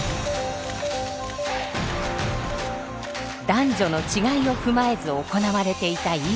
男女の違いを踏まえず行われていた医療。